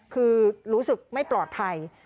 คือรู้สึกไม่ปลอดภัย